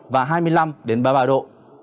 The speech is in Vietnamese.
và hai mươi năm ba mươi ba độ